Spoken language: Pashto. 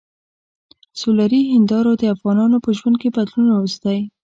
سولري هندارو د افغانانو په ژوند کې بدلون راوستی.